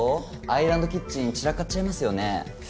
アイランドキッチン散らかっちゃいますよね。